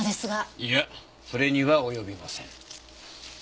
いやそれには及びません。